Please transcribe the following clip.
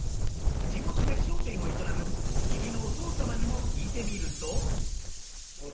地元で商店を営む義理のお父様にも聞いてみると。